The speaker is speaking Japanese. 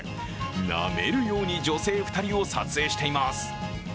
なめるように女性２人を撮影しています。